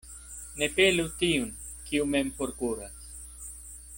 Ne pelu tiun, kiu mem forkuras.